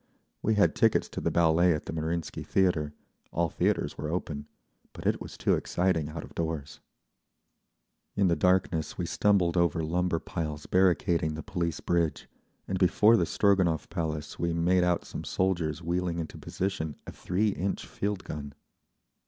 We had tickets to the Ballet at the Marinsky Theatre—all theatres were open—but it was too exciting out of doors…. In the darkness we stumbled over lumber piles barricading the Police Bridge, and before the Stroganov Palace made out some soldiers wheeling into position a three inch field gun.